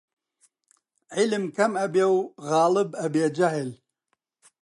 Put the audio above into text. عیلم کەم ئەبێ و غاڵب ئەبێ جەهل